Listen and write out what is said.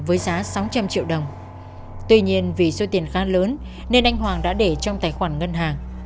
với giá sáu trăm linh triệu đồng tuy nhiên vì số tiền khá lớn nên anh hoàng đã để trong tài khoản ngân hàng